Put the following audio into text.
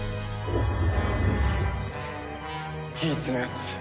ギーツのやつ